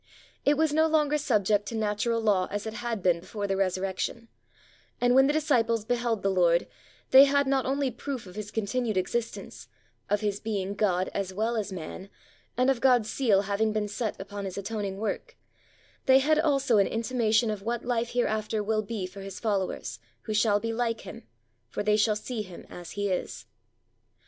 It was no longer subject to natural law as it had been before the Resurrection; and when the disciples beheld the Lord, they had not only proof of His continued existence, of His being God as well as man, and of God's seal having been set upon His atoning work, they had also an intimation of what life hereafter will be for His followers, who shall be like Him, for they shall see Him as He is.